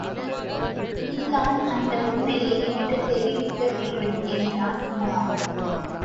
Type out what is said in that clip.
நீதான் அதன் உண்மையை எனக்குத் தெரிவிக்கவேண்டும் என்றான் உமார்.